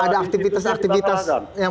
ada aktivitas aktivitas yang